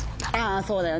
あそうだよね。